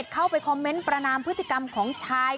เข้าไปคอมเมนต์ประนามพฤติกรรมของชาย